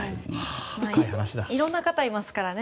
いろんな方いますからね。